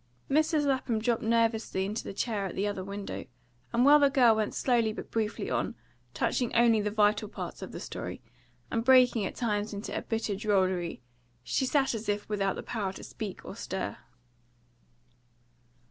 Mrs. Lapham dropped nervelessly into the chair at the other window, and while the girl went slowly but briefly on, touching only the vital points of the story, and breaking at times into a bitter drollery, she sat as if without the power to speak or stir.